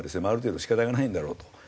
ある程度仕方がないんだろうと。